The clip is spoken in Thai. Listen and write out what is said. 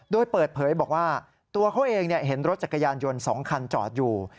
โดยเปิดเผยบอกว่าตัวเขาเองเห็นรถจักรยานยนต์๒คันจอดอยู่